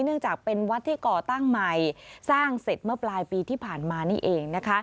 เนื่องจากเป็นวัดที่ก่อตั้งใหม่สร้างเสร็จเมื่อปลายปีที่ผ่านมานี่เอง